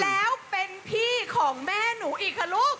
แล้วเป็นพี่ของแม่หนูอีกค่ะลูก